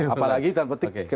apalagi tanda petik